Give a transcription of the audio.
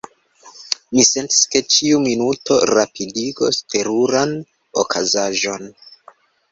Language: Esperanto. Mi sentis, ke ĉiu minuto rapidigos teruran okazaĵon.